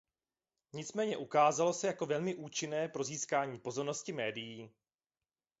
Nicméně ukázalo se jako velmi účinné pro získání pozornosti médií.